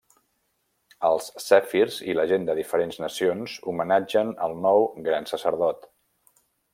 Els zèfirs i la gent de diferents nacions homenatgen el nou gran sacerdot.